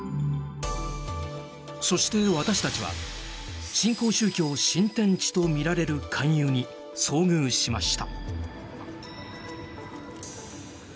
そして、私たちは新興宗教・新天地とみられる勧誘に遭遇しました。